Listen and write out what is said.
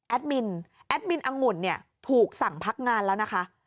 แอดมินแอดมินองุ่นถูกสั่งพักงานแล้วนะคะ